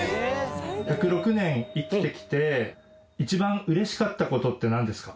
１０６年生きてきて一番嬉しかった事ってなんですか？